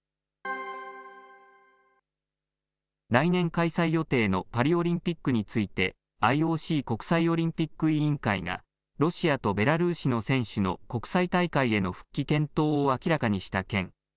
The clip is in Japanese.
来年開催予定のパリオリンピックについて、ＩＯＣ・国際オリンピック委員会が、ロシアとベラルーシの選手の国際大会への復帰検討を明らかにした件。